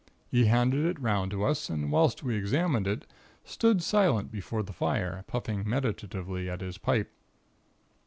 He handed it 'round to us and whilst we examined it, stood silent before the fire, puffing meditatively at his pipe.